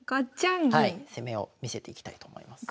攻めを見せていきたいと思います。